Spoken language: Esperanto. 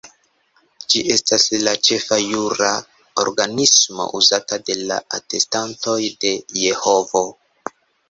Ĝi estas la ĉefa jura organismo uzata de la Atestantoj de Jehovo.